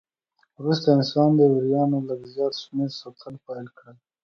وروسته انسان د وریانو لږ زیات شمېر ساتل پیل کړل.